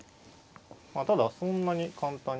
まあただそんなに簡単には。